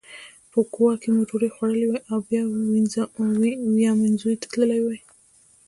په کووا کې مو ډوډۍ خوړلې وای او بیا ویامنزوني ته تللي وای.